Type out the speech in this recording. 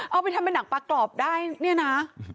เอาไปทำเป็นหนังปลากรอบได้เนี่ยนะ